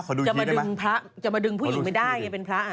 จะมาดึงพระจะมาดึงผู้หญิงไม่ได้ไงเป็นพระ